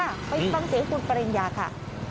ไปฟังเสียงคุณปริญญาค่ะ